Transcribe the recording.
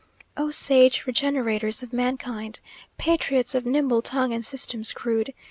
"O sage regenerators of mankind! Patriots of nimble tongue and systems crude!